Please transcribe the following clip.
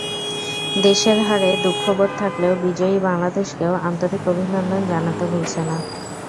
দেশের হারে দুঃখবোধ থাকলেও বিজয়ী বাংলাদেশকেও আন্তরিক অভিনন্দন জানাতে ভুলছে না।